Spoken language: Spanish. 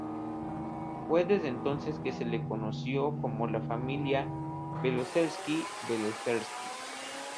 Fue desde entonces que se les conoció como la familia Beloselski-Belozerski.